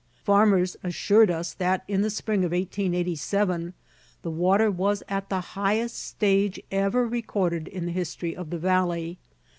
Farmers assured us that in the spring of 1887 the water was at the highest stage ever recorded in the history of the valley.